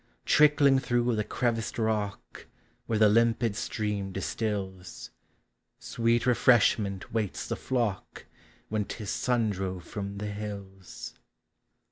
Trickling through the creviced rock, Where the limpid stream distils. Sweet refreshment waits the flock When 't is sun drove from the hills.